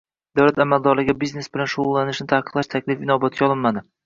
Davlat amaldorlariga biznes bilan shug‘ullanishni taqiqlash taklifi inobatga olinmadi